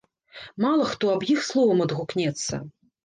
Мала хто аб іх словам адгукнецца.